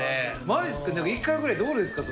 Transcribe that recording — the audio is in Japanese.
マジですか。